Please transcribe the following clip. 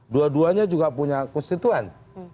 dua duanya juga punya konstituen